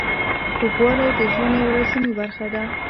خوږوالی د ژوند یوه لازمي برخه ده.